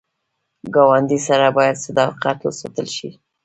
ګاونډي سره باید صداقت وساتل شي